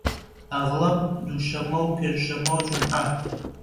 ئەغڵەب دووشەممە و پێنج شەممە و جومعە